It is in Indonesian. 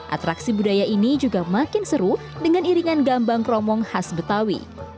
atraksi budaya ini juga makin seru dengan iringan gambang kromong khas betawi